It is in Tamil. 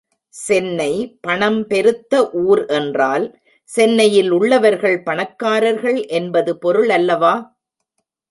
சென்னை பணம் பெருத்த ஊர் என்றால் சென்னையில் உள்ளவர்கள் பணக்காரர்கள் என்பது பொருள் அல்லவா?